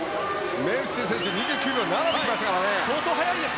メイルティテ２９秒７できましたからね。